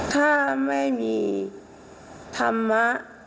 ถ้าไม่มีธรรมะ